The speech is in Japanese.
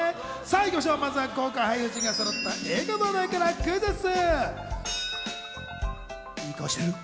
まずは豪華俳優陣がそろった映画の話題からクイズッス！